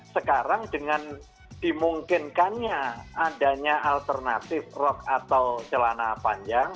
sekarang dengan dimungkinkannya adanya alternatif rok atau celana panjang